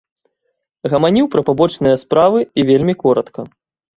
Гаманіў пра пабочныя справы і вельмі коратка.